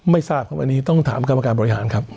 ไม่ทราบครับอันนี้ต้องถามกรรมการบริหารครับ